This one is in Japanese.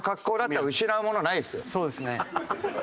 そうですね。